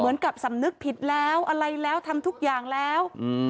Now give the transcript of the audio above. สำหรับสำนึกผิดแล้วอะไรแล้วทำทุกอย่างแล้ว